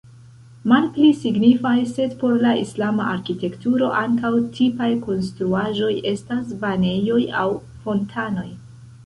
Malpli signifaj, sed por la islama arkitekturo ankaŭ tipaj konstruaĵoj, estas banejoj aŭ fontanoj.